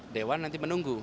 dewan nanti menunggu